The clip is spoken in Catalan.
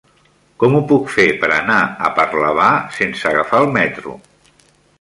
Com ho puc fer per anar a Parlavà sense agafar el metro?